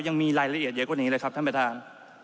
ยังมีรายละเอียดเยอะกว่านี้เลยครับท่านประธาน